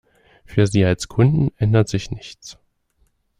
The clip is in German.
Für Sie als Kunden ändert sich nichts.